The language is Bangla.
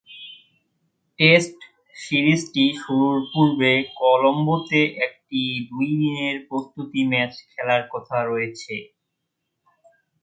টেস্ট সিরিজটি শুরুর পূর্বে কলম্বোতে একটি দুই-দিনের প্রস্তুতি ম্যাচ খেলার কথা রয়েছে।